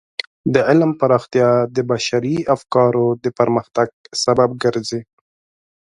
د علم پراختیا د بشري افکارو د پرمختګ سبب ګرځي.